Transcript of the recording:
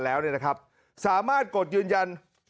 แล้วนะครับสามารถกดยืนยัน